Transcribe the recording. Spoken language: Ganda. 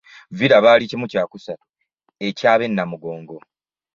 Villa baali kimu kyakusatu eky'abe Namugongo.